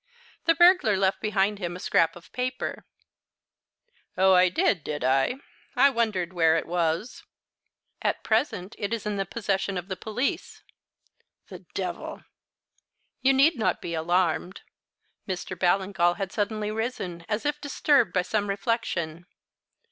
"The burglar left behind him a scrap of paper " "Oh, I did, did I? I wondered where it was." "At present it is in the possession of the police." "The devil!" "You need not be alarmed." Mr. Ballingall had suddenly risen, as if disturbed by some reflection.